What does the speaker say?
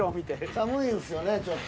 寒いんすよねちょっと。